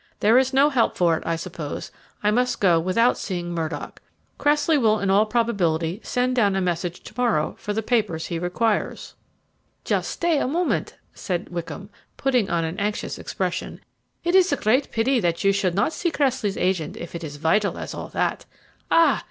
There is no help for it, I suppose I must go without seeing Murdock. Cressley will in all probability send down a message to morrow for the papers he requires." "Just stay a moment," said Wickham, putting on an anxious expression; "it is a great pity that you should not see Cressley's agent if it is as vital as all that. Ah!